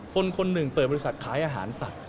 คนหนึ่งเปิดบริษัทขายอาหารสัตว์